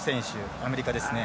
アメリカですね。